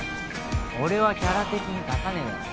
俺はキャラ的に書かねえだろ